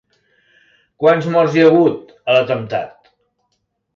Quants morts hi ha hagut a l'atemptat?